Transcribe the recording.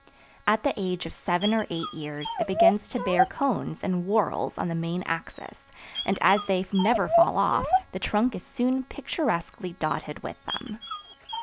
At the age of seven or eight years it begins to bear cones in whorls on the main axis, and as they never fall off, the trunk is soon picturesquely dotted with them.